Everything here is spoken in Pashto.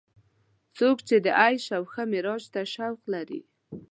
څوک چې د عیش او ښه معراج ته شوق لري.